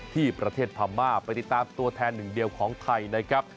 ที่ประเทศพม่าไปติดตามตัวแทนหนึ่งเดียวของไทยนะครับ